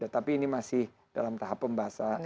tapi ini masih dalam tahap pembahasan